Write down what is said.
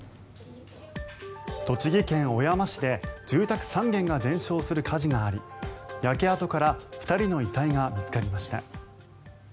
栃木県小山市で住宅３軒が全焼する火事があり焼け跡から２人の遺体が見つかりました。